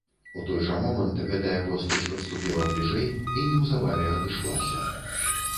У той жа момант гэтая постаць падступіла бліжэй і неўзабаве адышлася.